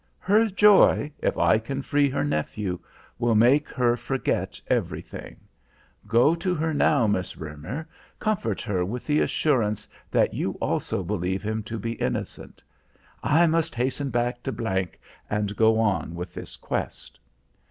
"Her joy, if I can free her nephew, will make her forget everything. Go to her now, Miss Roemer, comfort her with the assurance that you also believe him to be innocent. I must hasten back to G and go on with this quest."